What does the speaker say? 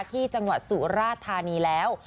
ที่จังหวัดสุราธานีแล้ว